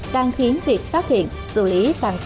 đang khiến việc phát hiện xử lý